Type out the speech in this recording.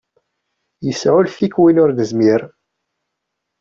Yesɛullet-ik win ur nezmir.